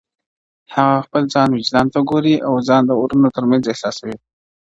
هغه خپل وجدان ته ګوري او ځان د اورونو تر منځ احساسوي-